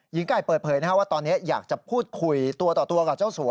หญิงไก่เปิดเผยว่าตอนนี้อยากจะพูดคุยตัวต่อตัวกับเจ้าสัว